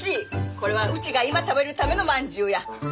これはうちが今食べるためのまんじゅうや。